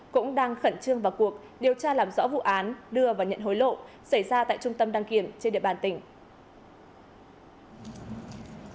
cũng đang khẩn trương vào cuộc điều tra làm rõ vụ án đưa và nhận hối lộ xảy ra tại trung tâm đăng kiểm trên địa bàn tỉnh